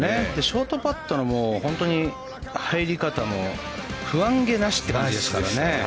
ショートパットの入り方も不安げなしっていう感じですからね。